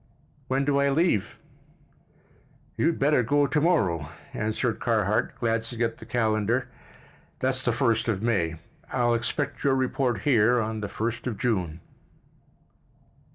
"When do I leave?" "You'd better go to morrow," answered Carhart, glancing at the calendar. "That's the 1st of May. I'll expect your report here on the 1st of June."